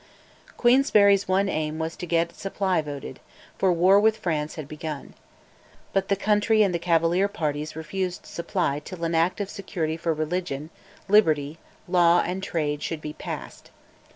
Queensberry's one aim was to get Supply voted, for war with France had begun. But the Country and the Cavalier parties refused Supply till an Act of Security for religion, liberty, law, and trade should be passed.